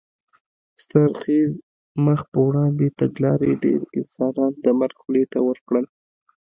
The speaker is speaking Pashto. ستر خېز مخ په وړاندې تګلارې ډېر انسانان د مرګ خولې ته ور کړل.